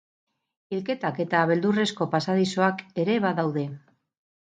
Hilketak eta beldurrezko pasadizoak ere badaude.